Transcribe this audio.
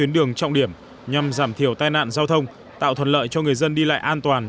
đường trọng điểm nhằm giảm thiểu tai nạn giao thông tạo thuận lợi cho người dân đi lại an toàn